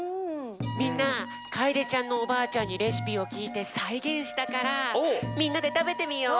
みんなかえでちゃんのおばあちゃんにレシピをきいてさいげんしたからみんなでたべてみよう！